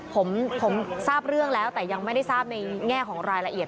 ผมทราบเรื่องแล้วแต่ยังไม่ได้ทราบในแง่ของรายละเอียด